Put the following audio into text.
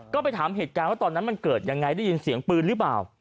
ก็ไปถามเหตุการณ์ว่าตอนนั้นมันเกิดยังไงได้ยินเสียงปืนหรือเปล่า